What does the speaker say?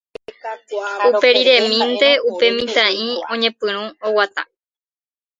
Uperiremínte upe mitã'i oñepyrũ oguata.